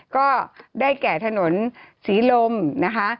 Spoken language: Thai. ก็ได้แก่ถนนศรีลมนะคะ